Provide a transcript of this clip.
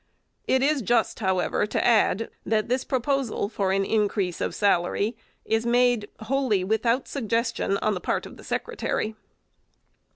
It is just, however, to add, that this proposal for an increase of salary is made wholly without suggestion on the part of the Secretary.